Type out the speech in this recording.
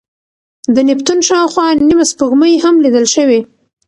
د نیپتون شاوخوا نیمه سپوږمۍ هم لیدل شوې.